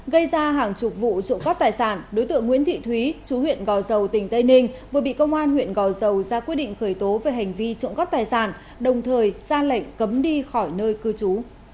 gây ra hàng chục vụ trộm cắp tài sản đối tượng nguyễn thị thúy chú huyện gò dầu tỉnh tây ninh vừa bị công an huyện gò dầu ra quyết định khởi tố về hành vi trộm cắp tài sản đồng thời ra lệnh cấm đi khỏi nơi cư trú